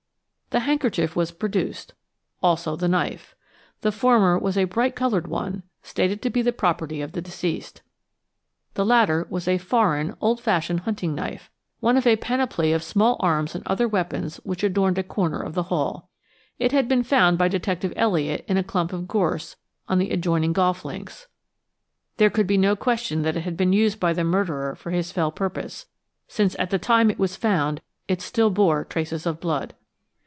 The handkerchief was produced, also the knife. The former was a bright coloured one, stated to be the property of the deceased. The latter was a foreign, old fashioned hunting knife, one of a panoply of small arms and other weapons which adorned a corner of the hall. It had been found by Detective Elliott in a clump of gorse on the adjoining golf links. There could be no question that it had been used by the murderer for his fell purpose, since at the time it was found it still bore traces of blood.